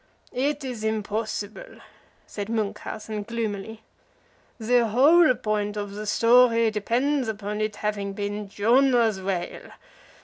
"It is impossible," said Munchausen, gloomily. "The whole point of the story depends upon its having been Jonah's whale.